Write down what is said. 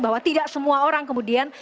bahwa tidak semua orang kemudian